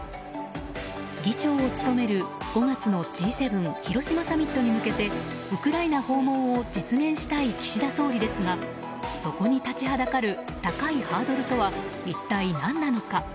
議長を務める５月のＧ７広島サミットに向けてウクライナ訪問を実現したい岸田総理ですがそこに立ちはだかる高いハードルとは一体何なのか。